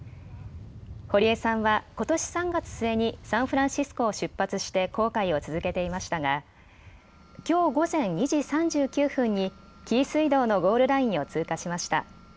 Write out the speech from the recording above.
堀江さんはことし３月末にサンフランシスコを出発して航海を続けていましたがきょう午前２時３９分に紀伊水道のゴールラインを通過しました。